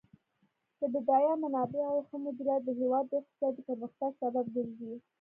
د بډایه منابعو ښه مدیریت د هیواد د اقتصادي پرمختګ سبب ګرځي.